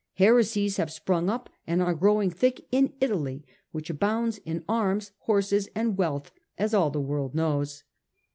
Heresies have sprung up and are growing thick in Italy, which abounds in arms, horses and wealth, as all the world knows."